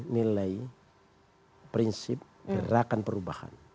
nilai prinsip gerakan perubahan